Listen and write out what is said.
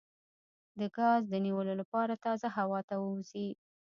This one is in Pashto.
د ګاز د نیولو لپاره تازه هوا ته ووځئ